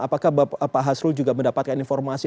apakah pak hasrul juga mendapatkan informasi